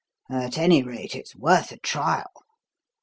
"At any rate it's worth a trial."